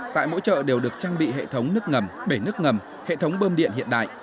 tại mỗi chợ đều được trang bị hệ thống nước ngầm bể nước ngầm hệ thống bơm điện hiện đại